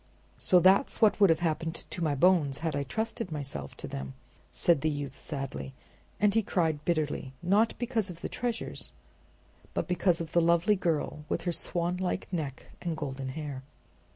"So that's what would have happened to my bones had I trusted myself to them," said the youth sadly; and he cried bitterly, not because of the treasures, but because of the lovely girl with her swanlike neck and golden hair.